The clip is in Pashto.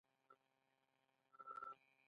زما په زړه کې لا هم ستا د نوم رېښه پرته ده